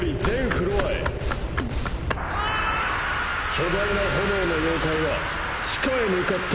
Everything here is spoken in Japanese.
巨大な炎の妖怪は地下へ向かった。